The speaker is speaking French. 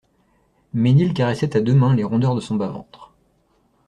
Mesnil caressait à deux mains les rondeurs de son bas-ventre.